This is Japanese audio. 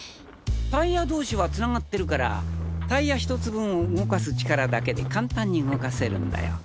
タイヤ同士はつながってるからタイヤ１つ分を動かす力だけで簡単に動かせるんだよ。